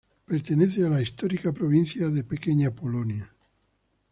Pertenece a la histórica provincia de Pequeña Polonia.